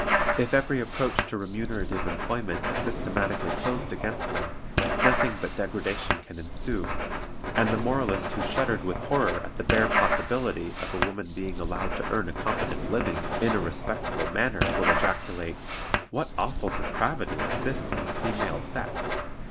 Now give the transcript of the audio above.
If every approach to remunerative employment is systematically closed against them, nothing but degradation can ensue, and the moralist who shuddered with horror at the bare possibility of a woman being allowed to earn a competent living in a respectable manner will ejaculate, "What awful depravity exists in the female sex!"